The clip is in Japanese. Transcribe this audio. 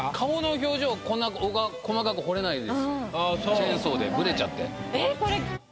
チェーンソーでブレちゃって。